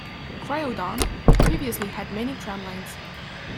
Croydon previously had many tramlines.